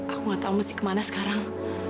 aku gak tau mesti kemana sekarang